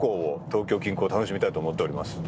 東京近郊楽しみたいと思っております。